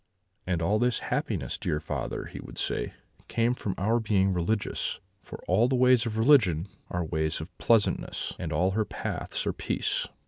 "'And all this happiness, dear father,' he would say, 'came from our being religious; for all the ways of religion are ways of pleasantness, and all her paths are peace.'